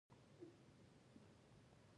آیا سوداګري دې پراخه نشي؟